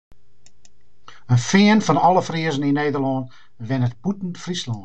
In kwart fan alle Friezen yn Nederlân wennet bûten Fryslân.